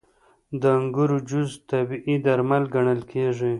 • د انګورو جوس طبیعي درمل ګڼل کېږي.